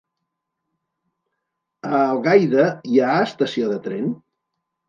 A Algaida hi ha estació de tren?